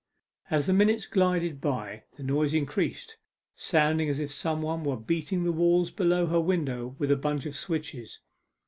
As the minutes glided by the noise increased, sounding as if some one were beating the wall below her window with a bunch of switches.